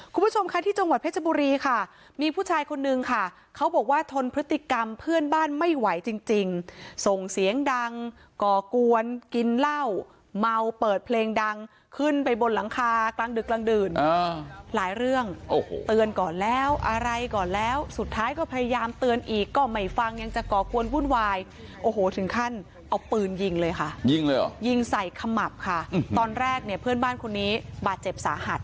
คุณผู้ชมค่ะที่จังหวัดเพชรบุรีค่ะมีผู้ชายคนนึงค่ะเขาบอกว่าทนพฤติกรรมเพื่อนบ้านไม่ไหวจริงจริงส่งเสียงดังก่อกวนกินเหล้าเมาเปิดเพลงดังขึ้นไปบนหลังคากลางดึกลางดื่นอ่าหลายเรื่องโอ้โหเตือนก่อนแล้วอะไรก่อนแล้วสุดท้ายก็พยายามเตือนอีกก็ไม่ฟังยังจะก่อกวนวุ่นวายโอ้โหถึงขั้นเอาป